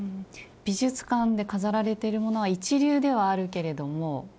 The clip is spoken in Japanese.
美術館で飾られてるものは一流ではあるけれども。